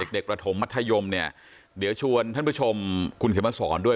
ประถมมัธยมเนี่ยเดี๋ยวชวนท่านผู้ชมคุณเขียนมาสอนด้วย